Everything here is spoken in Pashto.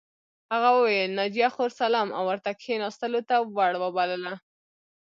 هغه وویل ناجیه خور سلام او ورته کښېناستلو ته ور وبلله